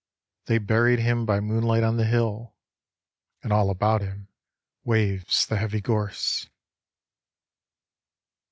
They buried him by moonlight on the hill, And all about him waves the heavy gorse.